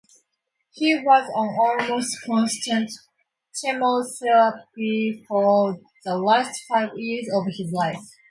He was on almost constant chemotherapy for the last five years of his life.